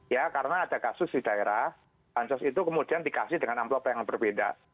ya karena ada kasus di daerah bansos itu kemudian dikasih dengan amplop yang berbeda